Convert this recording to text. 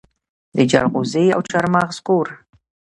د جلغوزي او چارمغز کور.